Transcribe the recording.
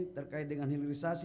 terkait dengan hilirisasi